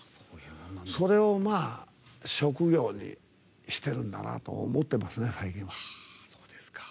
これを職業にしてるんだなと思ってますね、最近は。